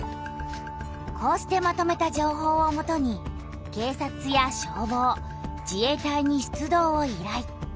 こうしてまとめた情報をもとに警察や消防自衛隊に出動を依頼。